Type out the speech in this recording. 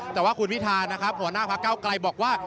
แต่ว่าคุณพิธานะครับหัวหน้าพระเก้าไกลบอกว่า